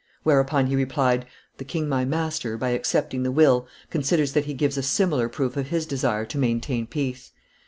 Whereupon he replied, 'The king my master, by accepting the will, considers that he gives a similar proof of his desire to maintain peace.